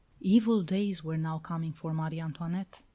Evil days were now coming for Marie Antoinette.